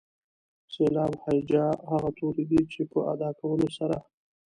سېلاب هجا هغه توري دي چې په ادا کولو سره.